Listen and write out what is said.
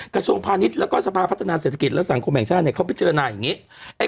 กระทรวงพาณิชย์แล้วก็สภาพัฒนาเศรษฐกิจและสังคมแห่งชาติเขาพิจารณาอย่างนี้